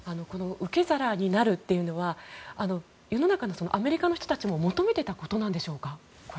受け皿になるというのは世の中のアメリカの人たちも求めてたことなんでしょうか。